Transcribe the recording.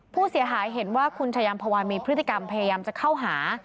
ผู้เสียหายเห็นว่าคุณชายามพวานมีพฤติกรรมพยายามจะเข้าหา